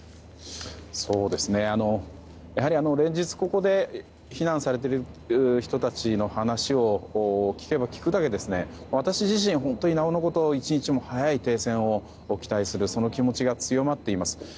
やはり連日ここで避難されている人たちの話を聞けば聞くだけ私自身、本当になおのこと１日も早い停戦を期待するその気持ちが強まっています。